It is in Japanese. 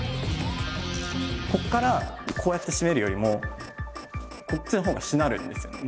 ここからこうやって締めるよりもこっちのほうがしなるんですよね。